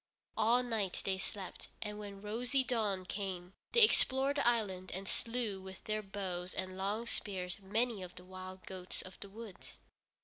All night they slept, and when rosy dawn came they explored the island and slew with their bows and long spears many of the wild goats of the woods.